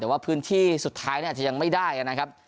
แต่ว่าพื้นที่สุดท้ายอาจจะยังไม่ได้นะครับ